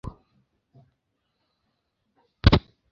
Ntabwo nari nateguye kukubwira ikintu na kimwe kuriyi ngingo.